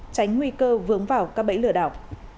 tránh nguy cơ vướng vào các bẫy lừa đảo